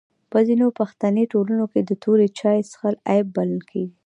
په ځینو پښتني ټولنو کي توري چای چیښل عیب بلل کیږي.